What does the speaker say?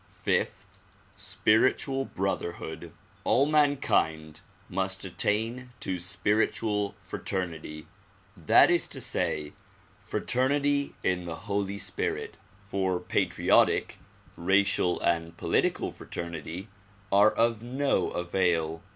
Fifth; spiritual brotherhood. All mankind must attain to spiritual fraternity, that is to say, fraternity in the Holy Spirit; for patriotic, racial and political fraternity are of no avail.